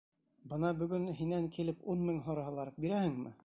Бына бөгөн һинән килеп ун мең һораһалар, бирәһеңме?